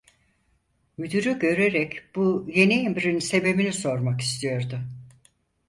Müdürü görerek bu yeni emrin sebebini sormak istiyordu.